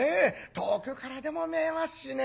遠くからでも見えますしね